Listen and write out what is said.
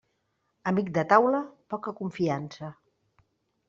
Amic de taula, poca confiança.